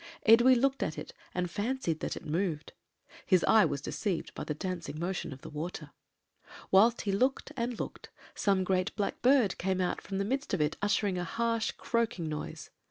Edwy looked at it and fancied that it moved; his eye was deceived by the dancing motion of the water. "Whilst he looked and looked, some great black bird came out from the midst of it uttering a harsh croaking noise.